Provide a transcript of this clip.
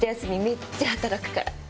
めっちゃ働くから。